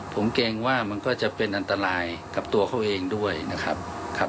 ผมเกรงว่ามันก็จะเป็นอันตรายกับตัวเขาเองด้วยนะครับ